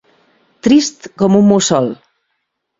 Trist com un mussol.